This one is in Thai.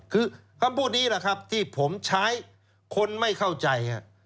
คือคำพูดนี้แหละครับที่ผมใช้คนไม่เข้าใจ